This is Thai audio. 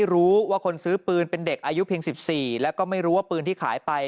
รู้ว่าคนซื้อปืนเป็นเด็กอายุเพียง๑๔แล้วก็ไม่รู้ว่าปืนที่ขายไป